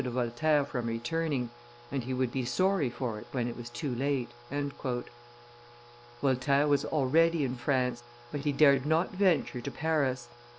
de Voltaire from returning, and he would be sorry for it when it was too late." Voltaire was already in France, but he dared not venture to Paris.